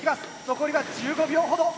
残りは１５秒ほど。